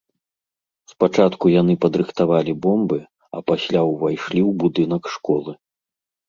Спачатку яны падрыхтавалі бомбы, а пасля ўвайшлі ў будынак школы.